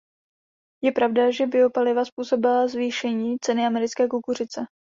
Je pravda, že biopaliva způsobila zvýšení ceny americké kukuřice.